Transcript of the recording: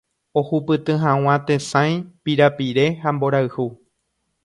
ohupyty hag̃ua tesãi, pirapire ha mborayhu.